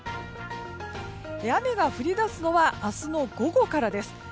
雨が降り出すのは明日の午後からです。